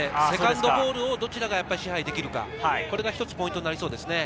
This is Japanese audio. セカンドボールをどちらが支配できるか、これが一つポイントになりそうです。